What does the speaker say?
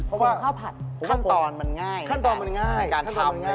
ของข้าวผัดขั้นตอนขั้นตอนมันง่ายขั้นตอนมันง่ายขั้นตอนมันง่ายขั้นตอนมันง่ายขั้นตอนมันง่าย